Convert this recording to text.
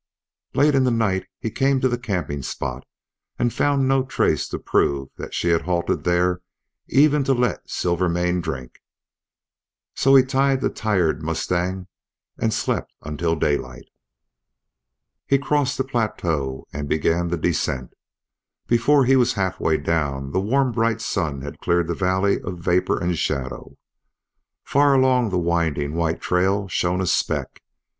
Late in the night he came to the camping spot and found no trace to prove that she had halted there even to let Silvermane drink. So he tied the tired mustang and slept until daylight. He crossed the plateau and began the descent. Before he was half way down the warm bright sun had cleared the valley of vapor and shadow. Far along the winding white trail shone a speck.